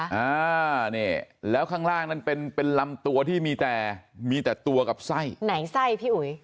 อ่านี่แล้วข้างล่างนั้นเป็นเป็นลำตัวที่มีแต่มีแต่ตัวกับไส้ไหนไส้พี่อุ๋ย